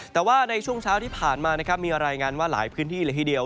แต่ว่าในช่วงเช้าที่ผ่านมานะครับมีรายงานว่าหลายพื้นที่เลยทีเดียว